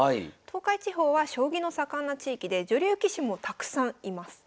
東海地方は将棋の盛んな地域で女流棋士もたくさんいます。